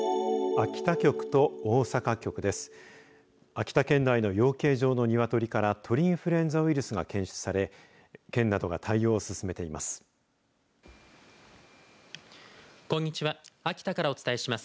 秋田県内の養鶏場のニワトリから鳥インフルエンザウイルスが検出され県などが対応を進めています。